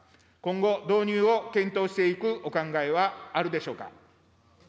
今後、導入を検討していくお考えはあるでしょうか。